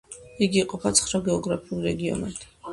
იგი იყოფა ცხრა გეოგრაფიულ რეგიონად.